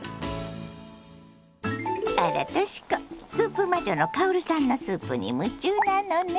あらとし子スープ魔女の薫さんのスープに夢中なのね。